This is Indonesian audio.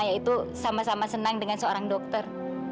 yaitu sama sama senang dengan seorang dokter